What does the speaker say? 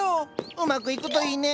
うまくいくといいね。